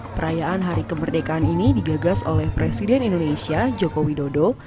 perayaan hari kemerdekaan ini digagas oleh presiden indonesia joko widodo